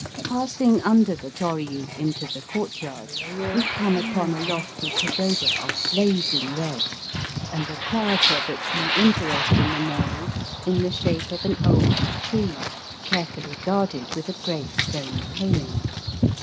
Passing under the torii into the courtyard, we come upon a lofty pagoda of blazing red and a quieter but more interesting memorial in the shape of an old tree carefully guarded with a gray stone paling.